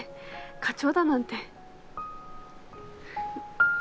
課長だなんて。